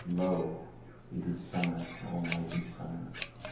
Lo, it is summer, almighty summer!